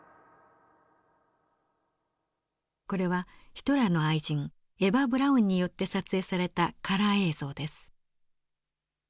これはヒトラーの愛人エヴァ・ブラウンによって撮影されたカラー映像です。